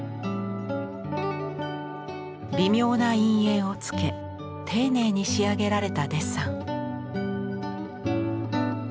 微妙な陰影をつけ丁寧に仕上げられたデッサン。